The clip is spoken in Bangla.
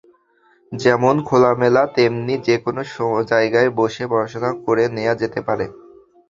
যেমন খোলামেলা, তেমনি যেকোনো জায়গায় বসে পড়াশোনা করে নেওয়া যেতে পারে।